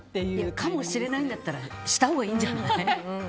かもしれないんだったらしたほうがいいんじゃない？